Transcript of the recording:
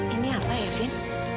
ini apa evin